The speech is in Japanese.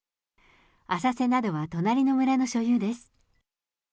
浅瀬などは隣の村の所有です。